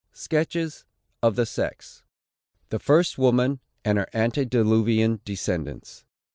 SKETCHES OF "THE SEX." THE FIRST WOMAN, AND HER ANTEDILUVIAN DESCENDANTS.